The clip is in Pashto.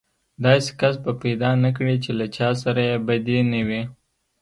داسې کس به پيدا نه کړې چې له چا سره يې بدي نه وي.